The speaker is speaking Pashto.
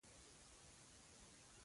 په غلطو خبرو نه غوسه کېږي.